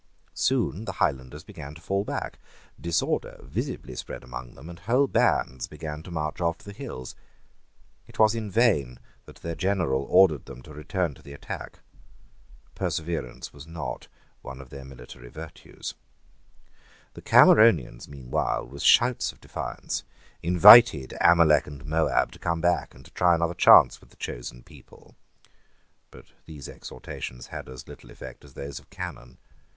Soon the highlanders began to fall back: disorder visibly spread among them; and whole bands began to march off to the hills. It was in vain that their general ordered them to return to the attack. Perseverance was not one of their military virtues. The Cameronians meanwhile, with shouts of defiance, invited Amalek and Moab to come back and to try another chance with the chosen people. But these exhortations had as little effect as those of Cannon.